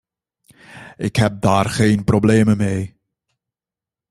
Ik heb daar geen probleem mee.